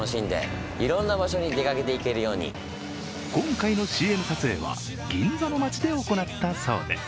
今回のＣＭ撮影は銀座の街で行ったそうです。